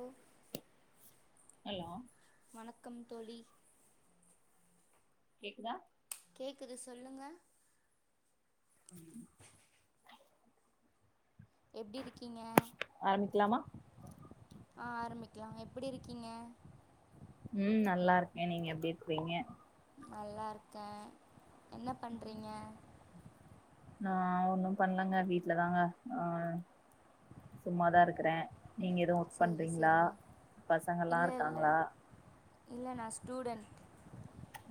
ஓ hello வணக்கம் தோழி கேக்குதா கேக்குது சொல்லுங்க ஐயோ எப்டி இருக்கீங்க ஆரம்பிக்கலாமா ஆ ஆரம்பிக்கலா எப்பிடி இருக்கீங்க ம் நல்லாருக்கே நீங்க எப்டி இருக்றீங்க நல்லாருக்கே என்ன பண்றீங்க நா ஒன்னு பண்லங்க வீட்ல தாங்க ஆ சும்மாதா இருக்கறே நீங்க எது ஒர்க் சேரி பண்றீங்ளா சேரி பசங்கெல்லா இல்ல இல்ல இருக்காங்ளா இல்ல நா ஸ்டூடெண்ட்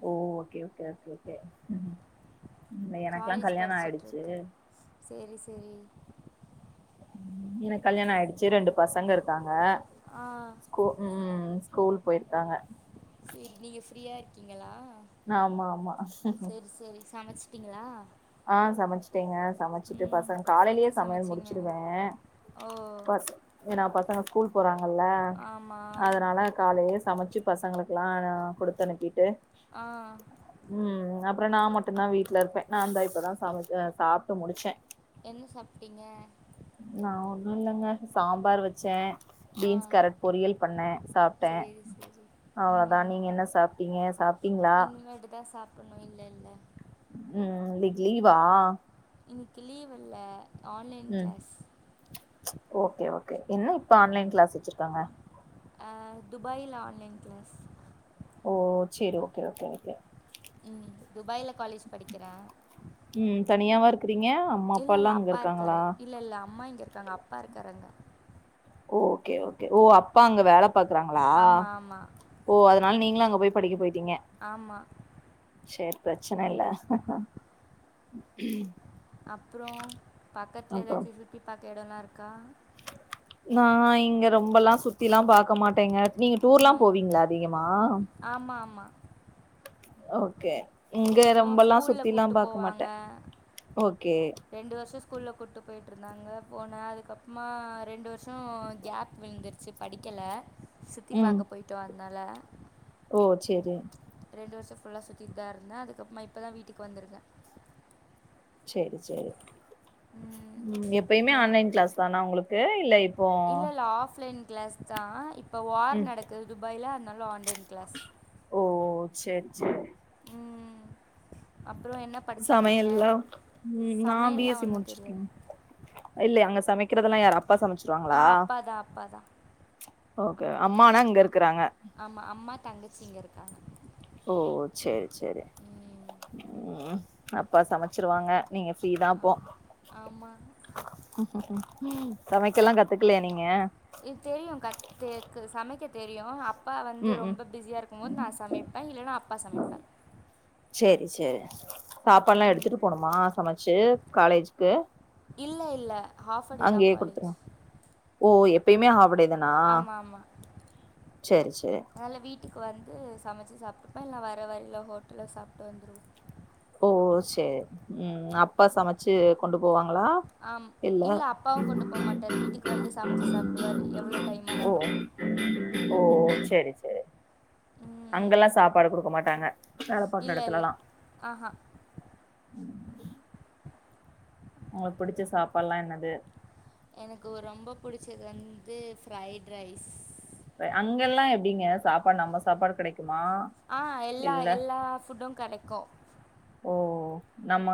ஓ ஓகே ஓகே ஓகே ஓகே ம் எனக்குலா காலேஜ் கல்யாணோ ஆய்டுச்சு படிச்சுட்ருக்கே சேரி சேரி ம் எனக் கல்யாண ஆய்டுச்சி ரெண்டு பசங்க இருக்காங்க ஆ கோ ம் ஸ்கூல் போய்ர்க்காங்க சேரி நீங்க ஃப்ரீயா இருக்கீங்களா ஆமா ஆமா சேரி சேரி சமச்சு ட்டீங்களா ஆ சமச்சுட்டேங்க சமச்சிட்டு பசங் என்ன காலைலே சமையல் சமச்சிங்க முடிச்சிருவே ஓ பஸ் ஏனா பசங்க ஸ்கூல் போறாங்கல்ல ஆமா அதனால காலைலே சமச்சு பசங்களுக்குல்லா நா குடுத்தனுப்பீட்டு ஆ ம் அப்பறோ நா மட்டுந்தா வீட்ல இருப்பே நானுந்தா இப்பதா சமச் அ சாப்ட்டு முடிச்சே என்ன சாப்ட்டீங்க நா ஒன்னுல்லங்க சாம்பார் வெச்சே ஆ பீன்ஸ், கேரட் பொரியல் பண்ணே சாப்ட்டே சரி சரி அவ்ள தா ம் நீங்க என்ன சாப்ட்டீங்க சாப்ட்டீங்ளா இனிமேட்டுதா சாப் பட்ணு இல்ல இல்ல ம் இன்னிக் லீவா இன்னிக்கி லீவ் இல்ல ஆன்லைன் ம் கிளாஸ் ஓகே ஓகே என்ன இப்ப ஆன்லைன் கிளாஸ் வெச்சிருக்காங்க அ துபாய்ல ஆன்லைன் கிளாஸ் ஓ செரி ஓகே ஓகே ஓகே ம் துபாய்ல காலேஜ் படிக்கற ம் தனியாவா இரு இல்லல்ல அப்பா இருக்காரு இல்லல்ல அம்மா இங்க இருக்காங்க அப்பா இருக்காரு அங்க ஓகே ஓகே ஓ அப்பா அங்க வேல பாக்கறாங்களா ஆமாம் ஆமாம் ஓ அதுனால நீங்களு அங்க போய் படிக்க போய்ட்டீங்க ஆமா சேர் பிரச்சனயில்ல அப்பறோ பக்கத்துல எதாச்சு சுத்தி பாக்க எடோல்லா இருக்கா நா இங்க ரொம்பல்லா சுத்தில்லா பாக்க மாட்டேங்க நீங்க டூர்லா ம் போவீங்களா அதிகமா ஆமாம் ஆமாம் ஓகே இங்க போ ரொம்பல்லா ஸ்கூலில் சுத்தில்லா கூப்பிட்டு பாக்க மாட்ட போவாங்க ஓகே ரெண்டு வருஷோ ஸ்கூல்ல கூட்டு போய்ட்ருந்தாங்க போன அதுக்கப்பமா ரெண்டு வருஷோ கேப் விழுந்துருச்சு படிக்கல சுத்தி ம். பாக்க போய்ட்டோ அதனால ஓ சேரி ரெண்டு வருஷோ ஃபுல்லா சுத்திட் தா இருந்த அதுக்கப்பமா இப்ப தா வீட்டுக்கு வந்துருக்க சேரி சரி ம் எப்பையுமே ஆன்லைன் க்ளஸ் தானா உங்களுக்கு இல்ல இப்போ இல்ல இல்ல ஆஃப்லைன் க்ளஸ் தா இப்ப வார் ம். நடக்கு துபாய்ல அதனால ஆன்லைன் க்ளஸ் ஓ செர் செரி ம் அப்புறோ என்ன படிச்சிருக்கீங்க சமையல்லா ம் நா பி எஸ் சமையல்லாம் சி ஒன்றும் தெரியாது முடிச்சிருக்கேங் இல்ல அங்க சமைக்கிறதெல்லா யாரு அப்பா சமச்சிருவாங்களா அதா அப்பா தா ஓகே அம்மானா இங்க இருக்குறாங்க ஆமா அம்மா தங்கச்சி இங்க இருக்காங்க ஓ சேரி சேரி ம் ம் அப்பா சமைச்சிருவாங்க நீங்க ஃப்ரீ தா அப்போ ஆமாம் ஆமாம் சமைக்கெல்லா கத்துக்கலையா நீங்க இது தெரியு கத்துக்கு சமைக்க தெரியு அப் அப்பா வந்து ம் ம் ரொம்ப பிஸியா இருக்கு போது நா சமைப்ப இல்லனா அப்பா சமைப்பாரு சேரி சேரி சாப்பாட்லா ம் எடுத்துட்டு போணுமா சமச்சி காலேஜ்க்கு இல்ல இல்ல அங்கேயே குடுத்துருவாங் ஓ எப்பையுமே ஆஃப் டே தா ஆம்மாம்மா சேரி சேரி அதனால வீட்டுக்கு வந்து சமச்சி சாப்டுப்ப இல்ல வர வழில ஹோட்டல்ல சாப்ட்டு வந்துருவோ ஓ சேரி ம் அப்பா சமச் ச்சி கொண்டு போவாங்களா இல்ல மாட்டர் வீட் டுக்கு வந்து சமச்சு சாப்டுவாரு எவ்ளோ ஓ ஓ செரி செரி ம், அங்கெல்லா சாப்பாடு குடுக்க மாட்டாங்க வேல பாக்குற இல்லை இல்லை எடத்துலல்லா ஆஹா உங்களுக்கு புடிச்ச சாப்பாடுலா என்னது எனக்கு ரொம்ப புடிச்சது வந்து ஃப்ரைட் ரைஸ் அங்கெல்லா எப்டிங்க சாப்பாடு நம்ம சாப்பாடு கெடைக்குமா இல்ல இதுவு கெடைக்கு ஓ நம்ம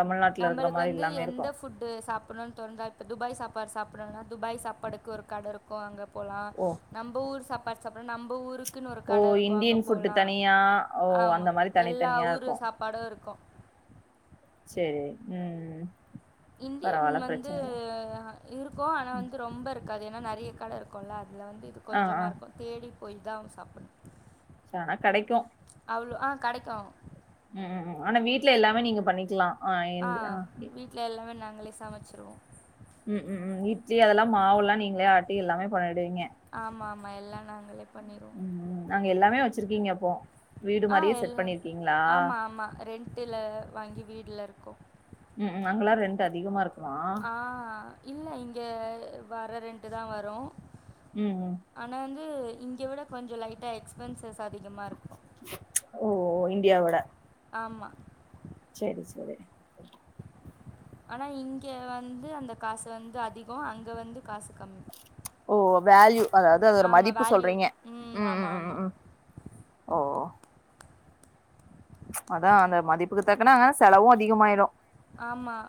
தமிழ்நாட்டுல இருக்கற நம்மளுக்கு மாறி வந்து எல்லாமே எந்த இருக்கு ஃபுட்டு சாப் சாபட்னு தோணுதா இப்போ துபாய் சாப்பாடு சாப்படுனா துபாய் சாப்பாடுக்கு ஒரு கட இருக்கு அங்க போலா ஓ நம்ப ஊர் சாப்பாடு சாப்பட்னுனா நம் ஊருக் க்குனு ஒரு ஓ கட இருக்கு அங்க இந்தியன் ஃபுட்டு போலா தனியா ஓ அந்த ஆமா மாரி எல்லா தனித்தனியா ஊரு இருக்கு சாப்பாடு ‌இருக்கு சேரி ம் இந்தியன் பரவால்ல வந்து பிரச்சன இல்ல இருக்கு ஆனா ம் வந்து ரொம்ப இருக்காது ஏனா நறைய கட இருக்குல்ல அதில வந்து இது ஆ ஆ கொஞ்சமா இருக்கு தேடி போய்தா சப்புட்னு சானா கடைக்கு அவ்ளோ ஆ கடைக்குட்டி ம் ம் ம் ஆனா வீட்ல எல்லாமே நீங்க பண்ணிக்கலா ஆ என்து ஆ வீ்ட்ல எல்லாமே நாங்களே சமைச்சிருவோ ம் ம் இட்லி அதெல்லா மாவுல்லா நீங்ளே ஆட்டி எல்லாமே பண்ணிடுவிங்க ஆமாம் ஆமாம் எல்லாம் நாங்களே பண்ணிடுவோம் ம் ம் அங்க எல்லாமே வெச்சிருக்கீங்க அப்போ வீடு ஆ மாரியே செட் பண்ணிருக்கீங்ளா ட்டுல வாங்கி வீட்ல இருக்கோ ம் ம் அங்கெல்லா ரெண்ட்டு அதிகமா இருக்குமா ஆ இல்ல இங்க வர ரெண்ட்டு தா வரு ம் ம் ஆனா வந்து இங்க விட கொஞ்சோ லைட்ட எக்ஸ் பென்சஸ் அதிகமா இருக்கு ஓ ஓ இந்தியாவுட ஆமா சேரி சேரி ஆனா இங்க வந்து அந்த காசு வந்து அதிகோ அங்க வந்து காசு கம்மி ஓ வேல்யூ அதாது அதோடா ஆமாம் மதிப்பு வேல்யூ சொல்றீங்க ம் ஆமாம் ம் ம் ஆமாம் ம் ஓ அதா அந்த மதிப்புக்கு தக்குனா செலவு அதிகமாயிரு ஆமாம்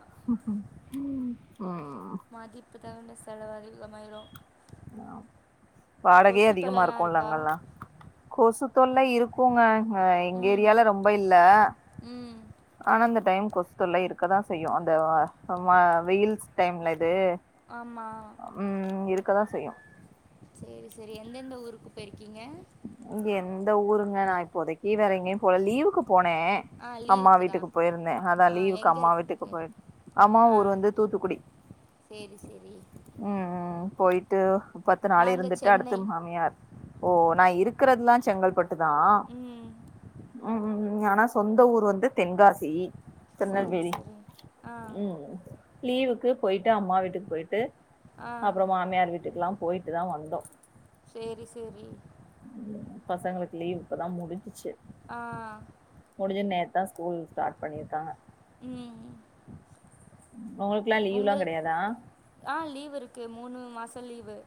உஹ இப்ப தேவ வேண்டிய செலவு அதிகமாயிரு வாடகையே அதிகமா தொல்லைலாம் இருக்குல இருக்கா அங்கெல்லா கொசு தொல்ல இரு இருக்குங்க எங்க ம் ஏரியால ரொம்ப இல்ல ம் ஆனா இந்த டைம் கொசு தொல்ல இருக்கதா செய்யும் அந்த வா வெயில்ஸ் டைம்ல இது ஆமா ம் இருக்கதா செய்யு சேரி சேரி எந்தெந்த ஊருக்கு போயிருக்கீங்க இங்க எந்த ஊருங்க நா இப்போதைக்கு வேற எங்கியு போல லீவுக்கு போனே ஆ அம்மா லீவுக்கு தான் வீட்டுக்கு போயிருந்த அதா ஆ லீவுக்கு எங்கே அம்மா வீட்டுக்கு இருக்கு போயி அம்மா ஊரு வந்து தூத்துக்குடி சேரி சேரி ம் ம் போயிட்டு பத்து நாள் நாங்கள் இருந்துட்டு அடுத்து சென்னை மாமியார் ஓ நா இருக்கறதுலா செங்கல்பட்டு தா ம் ம் ம் ம் ஆனா சொந்த ஊர் வந்து தென்காசி சரி திருநெல்வேலி சரி ஆ ம் லீவுக்கு போயிட்டு அம்மா வீட்டுக்கு போயிட்டு ஆ அப்றோ மாமியார் வீட்டுக்கெல்லா போயிட்டு தா வந்தோ சேரி சேரி ம் பசங்களுக்கு லீவ் இப்பதா முடிஞ்சிச்சி ஆ முடிஞ்சி நேத்தா ஸ்கூல் ஸ்டார்ட் பண்ணிருக்காங்க ம்ம் உங்களுக்குலா லீவ்லாம்லீவ்லா உங்கள் கெடையாதா ஆ லீவ் இருக்கு மூணு மாசோ லீவு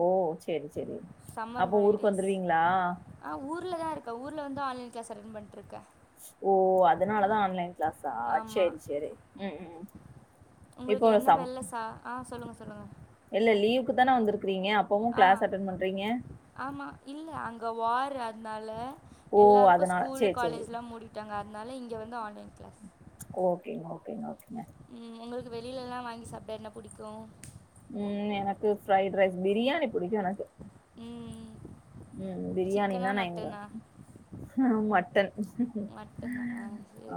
ஓ சேரி சேரி சம்மர் அப்போ ஊருக்கு ஹாலிடேஸ் வந்துருவீங்களா ஆ ஊர்ல தான் இருக்க ஊர்ல வந்து ஆன்லைன் க்ளாஸ் அட்டன் பண்ணிட்டுருக ஓ அதனாலதா ஆன்லைன் கிளாஸா ஆமாம் சேரி சேரி உம் உம் உங்களுக்கு என்ன வேலை சா ஆ சொல்லுங்க சொல்லுங்க இல்ல லீவுக்கு தான வந்துருக்கீங்க அப்பவு கிளாஸ் ஆ அட்டன் பண்றீங்க ஆமா இல்ல அங்க வார் அதனால ஓ எல்லாருக்கும் அதனால ஸ்கூலு சேரி சேரி காலேஜ்லா முடி ட்டாங்க அதனால இங்க வந்து ஆன்லைன் கிளாஸ் ஓகேங்க ஓகேங்க ஓகேங்க உம் உங்களுக்கு வெளியிலல்லா வாங்கி சாப்ட என்ன பிடிக்கும் உம் எனக்கு ஃப்ரைட் ரைஸ் பிரியாணி பிடிக்கும் எனக்கு ம். உம் சிக்கனா? பிரியாணினா நா எங்க மட்டனா? ஆ மட்டன் மட்டனா? ஆ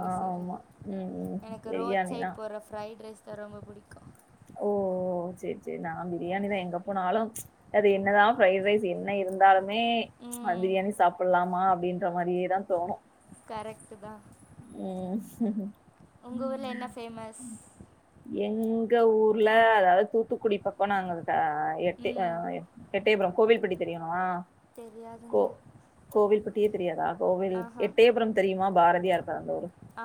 ஆ சரி. ஆமா உம் உம் எனக்கு ரோட் சைட் போடுற ஃப்ரைட் ரைஸ் தா ரொம்ப பிடிக்கும் ஓ சேரி சேரி நா பிரியாணி தா எங்க போனாலும் அது என்னதா ஃப்ரைட் ரைஸ் என்ன இரு இருந்தாலுமே ம். பிரியாணி சாப்டலாமா அப்படின்ற மாதிரியே தான் தோணும் கரெக்ட்டு தான் உம் உங்க ஊர்ல என்ன ஃபேமஸ்? எங்க ஊர்ல அதாவது தூத்துக்குடி பக்கம் நாங்க எட்டு ம். எட்டயபுரம் கோவில்பட்டி தெரியுமா கோ தெரியாதுங்க கோவில்பட்டியே தெரியாதா கோவில் ஆஹா. எட்டயபுரம் தெரியுமா பாரதியார் பெறந்த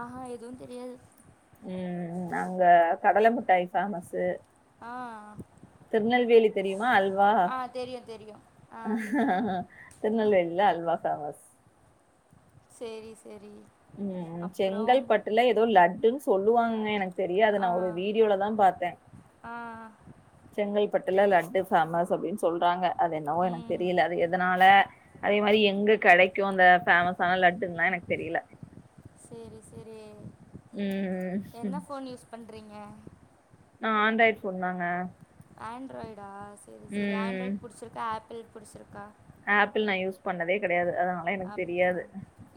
ஆஹா எதுவும் தெரியாது உம் அங்க கடலமிட்டாய் ஃபேமஸ்ஸு ஆ. திருநெல்வேலி தெரியுமா அல்வா ஆ தெரியும், தெரியும். ஆ திருநெல்வேலில அல்வா ஃபேமஸ் சேரி சேரி ம் செங்கல்பட்டுல ஏதோ லட்டுன் சொல்லுவாங்கங்க எனக்கு தெரியாதுஸ அது நா ஆ ஒரு வீடியோலதா பாத்தேன் ஆ செங்கல்பட்டுல லட்டு ஃபேமஸ் அப்படின்னு சொல்றாங்க அது என்னவோ எனக்கு ம் தெரியல அது எது எதனால அதே மாதிரி எங்க கிடைக்கும் அந்த ஃபேமஸ்ஸான லட்டுன்லா எனக்கு தெரியல சேரி சேரி ம் என்ன ஃபோன் யூஸ் பண்றீங்க நா ஆண்ட்ராய்ட் ஃபோன் தாங்க ஆண்ட்ராய்டா சேரி சேரி ம் ஆண்ட்ராய்டு பிடிச்சிருக்கா ஆப்பிள் பிடிச்சிருக்கா ஆப்பிள் நா யூஸ் பண்ணதே கெடையாது அதனால எனக்கு அப்படியா தெரியாது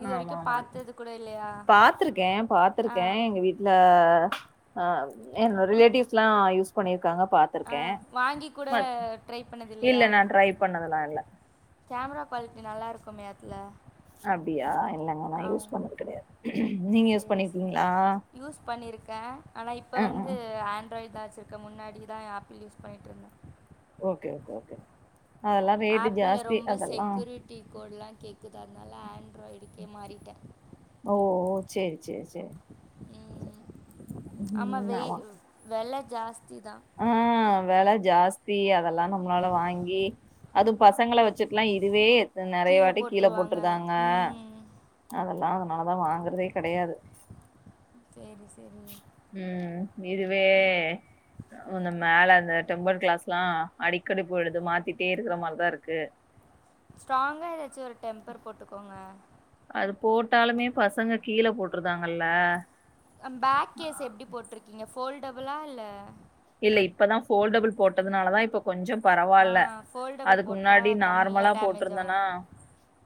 இது ஆமா வரைக்கும் ஆமா பார்த்தது கூட இல்லையா பாத்துருக்கேன் பாத் ஆ பாத்துருக்கேன் எங்க வீட்டுல அ எங்க ரிலேட்டிவ்ஸ் எல்லாம் யூஸ் பண்ணிருக்காங்க பா ஆ வாங்கி கூட த்துருக்கேன் ட்ரை பண்ணது இல்ல இல்லையா நா ட்ரை பண்ணதெல்லாம் இல்ல கேமரா குவாலிட்டி நல்லா இருக்குமே அதுல அப்டியா இல்லங்க நா யூஸ் பண்ணது கிடையாது நீங்க யூஸ் சரி பண்ணி சரி இருக்கீங்களா யூஸ் பண்ணிருக்கேன் ஆனா இப்ப வந்து ஆண்ட்ராய்டு தா வச்சிரு க்க முன்னாடி தா ஆப்பிள் யூஸ் பண்ணிட்டு இருந்தேன் ஓகே ஓகே ஓகேம்மா அதெல்லாம் ரேட்டு ஜாஸ்தி அதெல்லாம் டீ கோட்லாம் கேக்குது அதனால ஆண்ட்ராய்டுக்கே மாறிட்டேன் ஓ சேரி சேரி சேரி ஆமா ம் வெய் வெல ஜாஸ்திதா ம் வெல ஜாஸ்தி அதெல்லா நம்மளால வாங்கி அது பசங்கள வச்சுட்டுல்லா இதுவே எத் நெறய கீழே வாட்டி கீழ போட்டுருவாங்க போட்டுருதாங்க ம் அதெல்லா அதனாலதா வாங்கறதே கெடயாது சேரி செரி ம் இதுவே அந்த மேல அந்த டெம்பர் கிளாஸ்லா அடிக்கடி போய்டுது மாத்திட்டே இருக்கற மாறி தா இருக்கு ஸ்ட்ராங்கா எதாச்சி ஒரு டெம்பர் போட்டுக்கோங்க அது போட்டாலுமே பசங்க கீழ போட்டுருதாங்கல்ல பேக் கேஸ் எப்டி போட்ருக்கீங்க ஃபோல்டபுளா இல்ல இல்ல இப்பதா ஃபோல்டபிள் போட்டதுனால தா இப்போ கொஞ்சோ ஆ பரவால்ல ஃபோல்டபுள் அதுக்கு முன்னாடி போட்டால் நார்மலா கம்மியாக டேமேஜ் போட்டிருந்தனா ஆகும்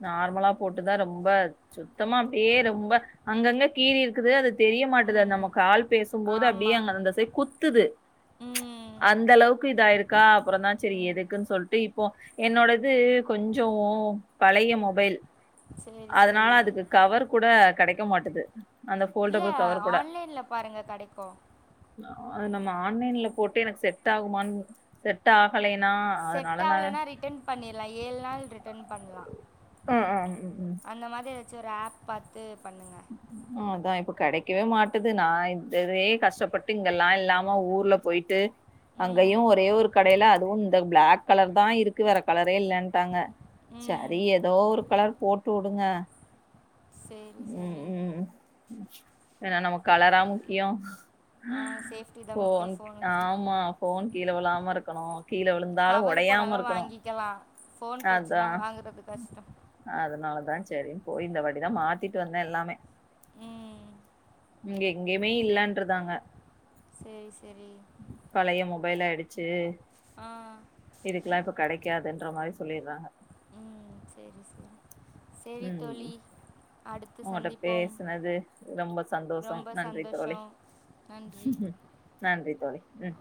நார்மலா போட்டுதா ரொம்ப சுத்தமா அப்டியே ரொம்ப அங்கங்க கீறி இருக்குது அது தெரிய மாட்டுது அ ம் நம்ம கால் பேசும்போது அப்டியே ஆமாம் அங்க அந்த சைட் குத்துது ம் அந்த அளவுக்கு இதாயிருக்கா அப்பறந்தா செரி ம் எதுக்குன்னு சொல்ட்டு இப்போ என்னோட இது கொஞ்சோ பழைய மொபைல் சரி அதனால சரி அதுக்கு கவர் கூட கெடைக்க மாட்டுது அந்த ஃபோல்டபிள் கவர் கூட எங்க கெடைக்கு அது நம்ம ஆன்லைன்ல போட்டு எனக்கு செட் ஆகுமான்னு செட் ஆகலைன்னா செட் அதனால நா ஆகலைன்னா ரிட்டன் பண்ணிர்லா ஏழு நாள் ரிட்டன் பண்லா ம் ம் ம் ம் அந்த மாறி எதாச்சு ஒரு ஆப் பாத்து பண்ணுங்க அதா இப்ப கெடைக்கவே மாட்டுது நா இதவே கஷ்டப்பட்டு இங்கெல்லா எல்லா சும்மா ஊர்ல போய்ட்டு அங்கயு ம் ஒரே ஒரு கடையில அதுவு இந்த பிளாக் கலர் தா இருக்கு வேற கலரே இல்லன்ட்டாங்க ம் செரி எதோ ஒரு கலர் போட்டுவுடுங்க சேரி செரி ஏன்னா நமக்கு கலரா முக்கியோ ஆ சேஃப்டி தான் ஃபோன் முக்கியம் ஃபோனுக்கு ஆமா ஃபோன் கீழ விழாம இருக்கணு கீழ விழுந்தாலு கவர் ஒடயாம போனாலும் இருக்கணு வாங்கிக்கலாம் ஃபோன் அதா போச்சுன்னா வாங்குறது கஷ்டம் அதனாலதா செரின்னு போய் இந்த வாட்டிதா மாத்திட்டு வந்தேன் எல்லாமே ம் இங்க எங்கேயுமே இல்லன்று இருந்தாங்க சேரி செரி பழைய மொபைல் ஆயிடுச்சு ஆ இதுக்கலா இப்ப கெடைக்காதுன்ற மாறி சொல்லிட்றாங்க ம் செரி செரி செரி ம் தோழி அடுத்து உங்கட்ட சந்திப்போம் பேசுனது ரொம்ப சந்தோஷம் ரொம்ப நன்றி தோழி சந்தோஷோ நன்றி நன்றி தோழி ம்